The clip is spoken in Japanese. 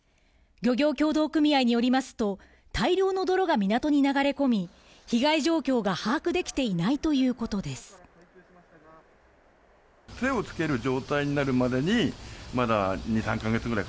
漁業協同組合によりますと大量の泥が港に流れ込み、被害状況が把握できていないということです。